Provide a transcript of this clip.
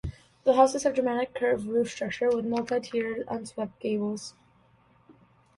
The houses have dramatic curved roof structure with multi-tiered, upswept gables.